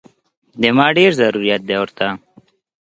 دې ما ډېر ضرورت دی ورته